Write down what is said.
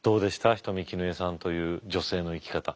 人見絹枝さんという女性の生き方。